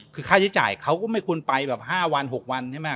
คือค่าใช้จ่ายเขาก็ไม่ควรไปแบบ๕วัน๖วันใช่ไหม